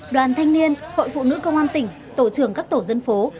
đoàn thanh niên hội phụ nữ công an tỉnh tổ trưởng các tổ dân phố